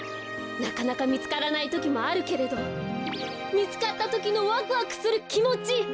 なかなかみつからないときもあるけれどみつかったときのワクワクするきもち！